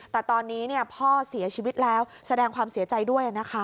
แต่ตอนนี้พ่อเสียชีวิตแล้วแสดงความเสียใจด้วยนะคะ